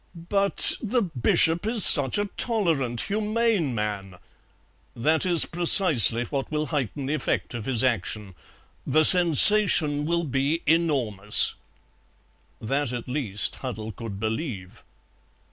"But the Bishop is such a tolerant, humane man." "That is precisely what will heighten the effect of his action. The sensation will be enormous." That at least Huddle could believe.